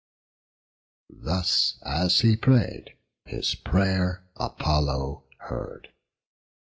Thus, as he pray'd, his pray'r Apollo heard.